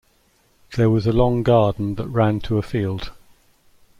There was a long garden that ran to a field.